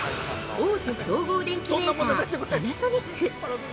◆大手総合電機メーカーパナソニック！